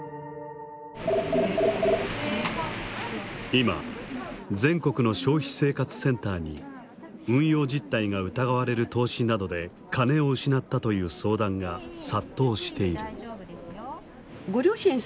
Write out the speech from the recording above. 今全国の消費生活センターに運用実態が疑われる投資などで金を失ったという相談が殺到している。